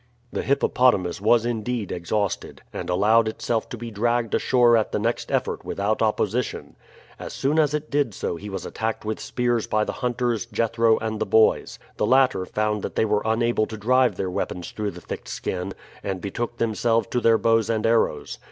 The hippopotamus was indeed exhausted, and allowed itself to be dragged ashore at the next effort without opposition. As soon as it did so he was attacked with spears by the hunters, Jethro, and the boys. The latter found that they were unable to drive their weapons through the thick skin, and betook themselves to their bows and arrows.